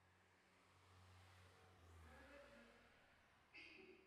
Esta última ha adquirido status de especie plena.